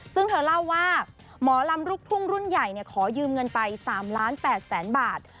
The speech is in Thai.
ซึ่งเธอเล่าว่าหมอลำลูกทุ่งรุ่นใหญ่ขอยืมเงินไป๓ล้าน๘แสนบาท